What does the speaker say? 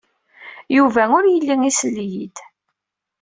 Yuba ur yelli isell-iyi-d.